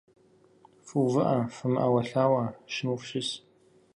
Фыувыӏэ, фымыӏэуэлъауэу, щыму фыщыс.